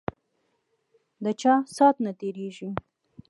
ده چا سات نه تیریږی